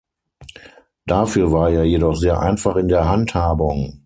Dafür war er jedoch sehr einfach in der Handhabung.